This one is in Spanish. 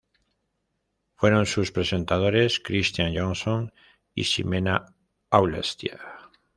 Fueron sus presentadores Christian Johnson y Ximena Aulestia.